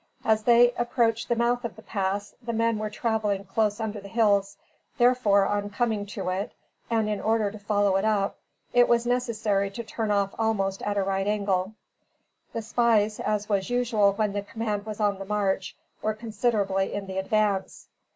As they approached the mouth of the pass, the men were traveling close under the hills, therefore, on coming to it, and in order to follow it up, it was necessary to turn off almost at a right angle. The spies, as was usual when the command was on the march, were considerably in the advance.